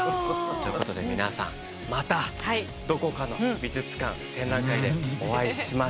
ということで皆さんまたどこかの美術館展覧会でお会いしましょう。